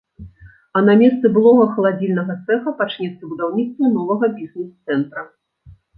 А на месцы былога халадзільнага цэха пачнецца будаўніцтва новага бізнес-цэнтра.